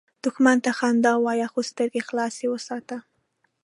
دښمن ته خندا وایه، خو سترګې خلاصه وساته